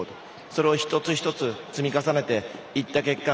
それを１つ１つ積み重ねていった結果